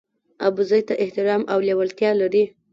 ابوزید ته احترام او لېوالتیا لري.